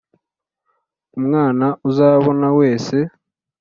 umwana uzabona wese